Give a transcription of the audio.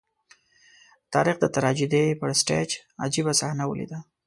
د تاریخ د ټراجېډي پر سټېج عجيبه صحنه ولیده.